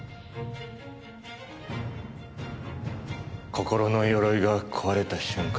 心の鎧が壊れた瞬間